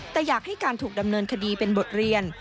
แต่อยากให้การถูกดำเนินคดีเป็นบทเรียน